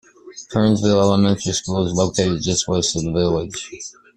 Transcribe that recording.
Kernsville Elementary School is located just west of the village.